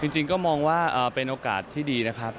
จริงก็มองว่าเป็นโอกาสที่ดีนะครับ